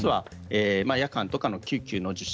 夜間とか救急の受診